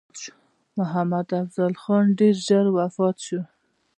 محمدافضل خان ډېر ژر وفات شو.